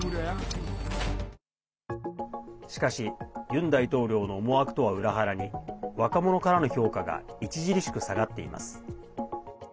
しかし、ユン大統領の思惑とは裏腹に若者からの評価が著しく下がっています。